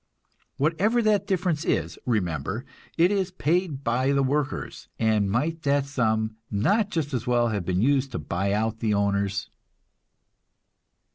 Whatever that difference is, remember, it is paid by the workers; and might that sum not just as well have been used to buy out the owners?